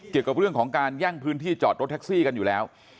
เกี่ยวกับเรื่องของการแย่งพื้นที่จอดรถแท็กซี่กันอยู่แล้ว